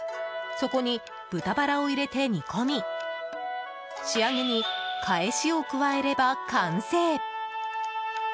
そこに豚バラを入れて煮込み仕上げにかえしを加えれば完成。